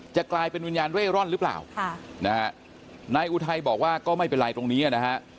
กลายเป็นวิญญาณเร่ร่อนหรือเปล่าค่ะนะฮะนายอุทัยบอกว่าก็ไม่เป็นไรตรงนี้นะฮะ